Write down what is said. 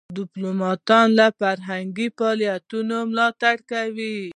ډيپلومات له فرهنګي فعالیتونو ملاتړ کوي.